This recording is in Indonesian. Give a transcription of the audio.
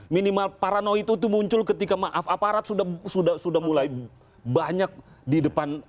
minimal paranoi itu muncul ketika maaf aparat sudah mulai banyak di depan